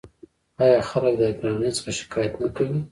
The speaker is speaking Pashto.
آیا خلک د ګرانۍ څخه شکایت نه کوي؟